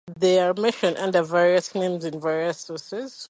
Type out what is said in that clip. They are mentioned under various names in various sources.